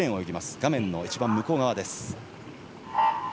画面の一番向こう側。